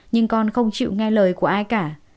nhưng con không chịu nghe lời của ai cả